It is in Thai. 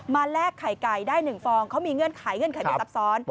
แลกไข่ไก่ได้๑ฟองเขามีเงื่อนไขเงื่อนไขที่ซับซ้อน